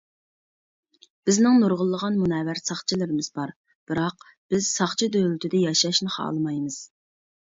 بىزنىڭ نۇرغۇنلىغان مۇنەۋۋەر ساقچىلىرىمىز بار، بىراق بىز ساقچى دۆلىتىدە ياشاشنى خالىمايمىز.